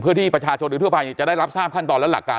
เพื่อที่ประชาชนหรือทั่วไปจะได้รับทราบขั้นตอนและหลักการ